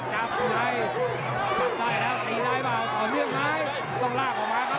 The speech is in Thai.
ตัวใหญ่ครับยอดมุนหิวนี่มันจับบนไม่ได้